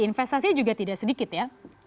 investasi juga tidak sedikit ya